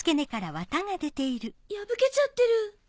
破けちゃってる。